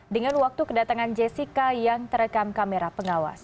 dengan waktu kedatangan jessica yang terekam kamera pengawas